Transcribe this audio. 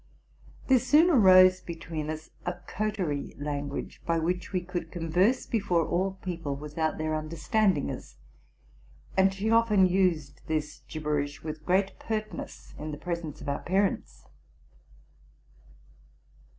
There soon arose between us a coterie language, by which we could converse before all people with out their understanding us; and she often used this gibberish with great pertness in the presence of our parents.